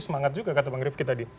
semangat juga kata bang rifki tadi